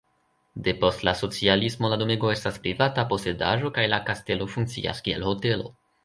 Depost la socialismo la domego estas privata posedaĵo kaj la kastelo funkcias kiel hotelo.